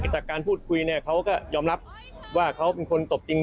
แต่การพูดคุยเนี่ยเขาก็ยอมรับว่าเขาเป็นคนตบจริง